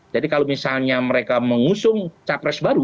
jadi kalau misalnya mereka mengusung capres baru